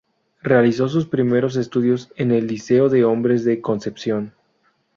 Realizó sus primeros estudios en el Liceo de Hombres de Concepción.